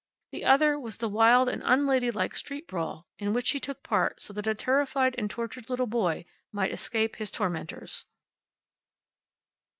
The other was the wild and unladylike street brawl in which she took part so that a terrified and tortured little boy might escape his tormentors.